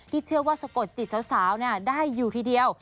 เชื่อว่าสะกดจิตสาวได้อยู่ทีเดียว